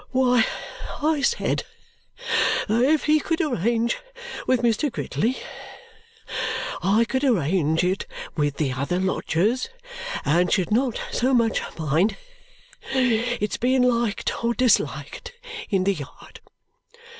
"Why, I said that if he could arrange with Mr. Gridley, I could arrange it with the other lodgers and should not so much mind its being liked or disliked in the yard.